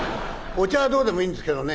お茶はどうでもいいんですけどね。